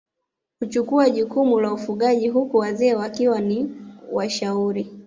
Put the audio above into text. Huchukua jukumu la ufugaji huku wazee wakiwa ni washauri